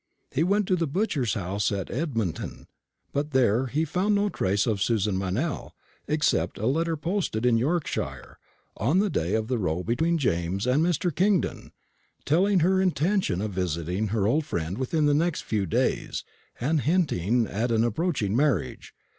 He went to the butcher's house at Edmonton; but there he found no trace of Susan Meynell, except a letter posted in Yorkshire, on the day of the row between James and Mr. Kingdon, telling her intention of visiting her old friend within the next few days, and hinting at an approaching marriage.